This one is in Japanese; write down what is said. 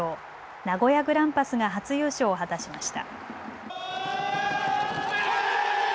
名古屋グランパスが初優勝を果たしました。